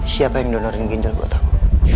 siapa yang donorin ginjal buat kamu